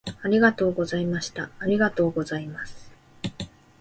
ありがとうございました。ありがとうございます。